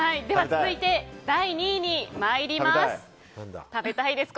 続いて、第２位に参ります。